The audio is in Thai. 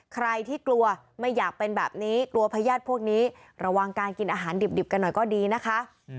ใครที่กลัวไม่อยากเป็นแบบนี้กลัวพญาติพวกนี้ระวังการกินอาหารดิบกันหน่อยก็ดีนะคะ